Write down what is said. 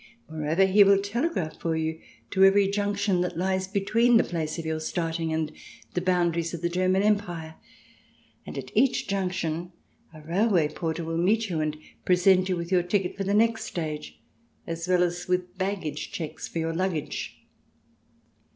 Moreover, he will telegraph for you to every junc tion that lies between the place of your starting and the boundaries of the German Empire, and at each junction a railway porter will meet you and present you with your ticket for the next stage, as well as with baggage checks for your luggage.